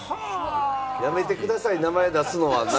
やめてください、名前出すのは。